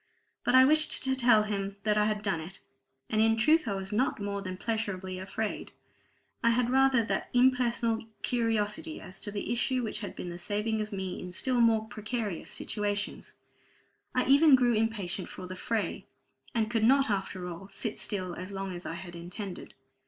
But I wished to tell him that I had done it; and in truth I was not more than pleasurably afraid; I had rather that impersonal curiosity as to the issue which has been the saving of me in still more precarious situations. I even grew impatient for the fray, and could not after all sit still as long as I had intended.